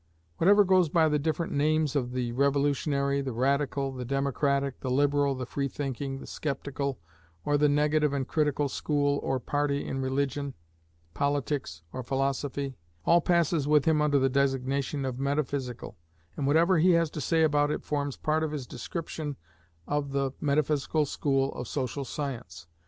Whatever goes by the different names of the revolutionary, the radical, the democratic, the liberal, the free thinking, the sceptical, or the negative and critical school or party in religion, politics, or philosophy, all passes with him under the designation of metaphysical, and whatever he has to say about it forms part of his description of the metaphysical school of social science.